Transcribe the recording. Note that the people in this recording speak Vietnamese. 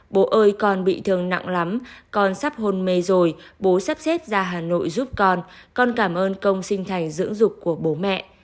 bố ơi còn bị thương nặng lắm con sắp hôn mê rồi bố sắp xếp ra hà nội giúp con con cảm ơn công sinh thành dưỡng dục của bố mẹ